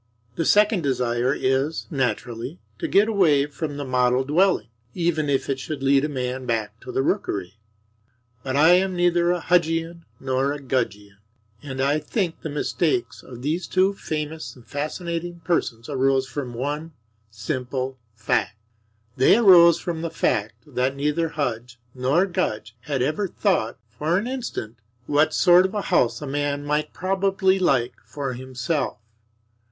The second desire is, naturally, to get away from the model dwelling, even if it should lead a man back to the rookery. But I am neither a Hudgian nor a Gudgian; and I think the mistakes of these two famous and fascinating persons arose from one simple fact. They arose from the fact that neither Hudge nor Gudge had ever thought for an instant what sort of house a man might probably like for himself.